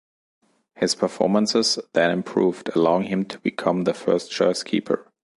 His performances then improved, allowing him to become the first-choice keeper.